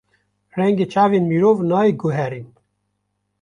Rengê çavên mirov nayê guherîn.